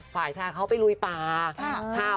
ฝ่ายชายเขาไปลุยป่า